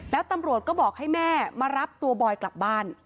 แล้วตำรวจก็บอกให้แม่มารับตัวบอยกลับบ้าน